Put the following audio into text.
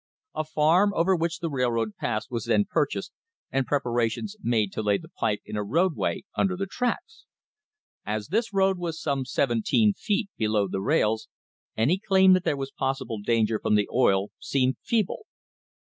A farm over which the railroad passed was then purchased and preparations made to lay the pipe in a roadway under the tracks. As this road was some seven teen feet below the rails, any claim that there was possible danger from the oil seemed feeble.